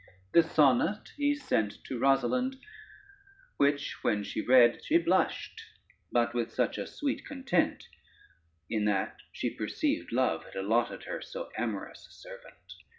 This sonnet he sent to Rosalynde, which when she read she blushed, but with a sweet content in that she perceived love had allotted her so amorous a servant.